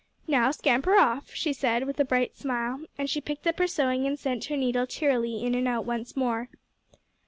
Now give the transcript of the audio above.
"Now scamper off," she said, with a bright smile, and she picked up her sewing and sent her needle cheerily in and out once more.